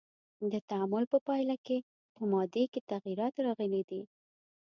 د تعامل په پایله کې په مادې کې تغیرات راغلی دی.